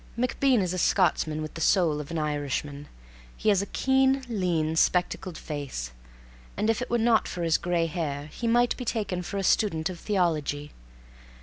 MacBean is a Scotsman with the soul of an Irishman. He has a keen, lean, spectacled face, and if it were not for his gray hair he might be taken for a student of theology.